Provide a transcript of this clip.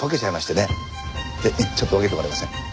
ちょっと分けてもらえません？